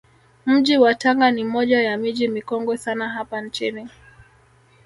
Mji wa Tanga ni moja ya miji mikongwe sana hapa nchini